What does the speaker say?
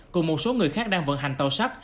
cùng một số người khác đang vận hành tàu sắt